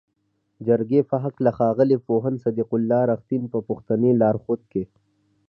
جرګې په هکله ښاغلي پوهاند صدیق الله "رښتین" په پښتني لارښود کې